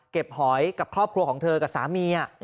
หอยกับครอบครัวของเธอกับสามี